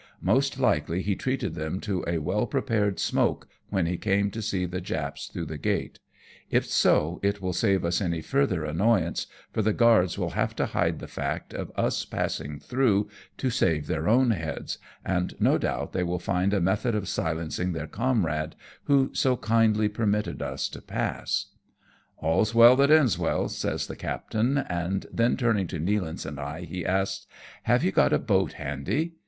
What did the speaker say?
. Most likely he treated them to a well prepared smoke when he came to see the Japs through the gate ; if so, it will save us any further annoyance, for the guards will have to hide the fact of us passing through to save their own heads, and no doubt they will find a method of silencing their comrade, who so kindly permitted us to pass." " All's well that ends well," says the captain ; and then turning to Nealance and I, he asks, " Have you got a boat handy